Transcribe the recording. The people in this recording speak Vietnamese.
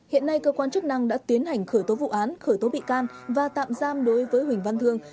hiện nay cơ quan chức năng đã tiến hành khởi tố vụ án khởi tố bị can và tạm giam đối với huỳnh văn thương